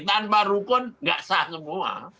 tanpa rukun nggak sah semua